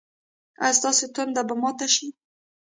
ایا ستاسو تنده به ماته شي؟